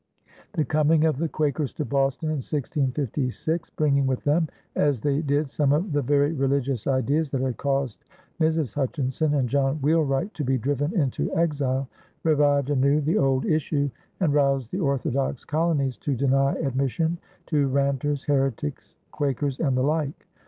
The coming of the Quakers to Boston in 1656, bringing with them as they did some of the very religious ideas that had caused Mrs. Hutchinson and John Wheelwright to be driven into exile, revived anew the old issue and roused the orthodox colonies to deny admission to ranters, heretics, Quakers, and the like.